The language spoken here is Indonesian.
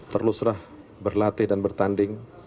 teruslah berlatih dan bertanding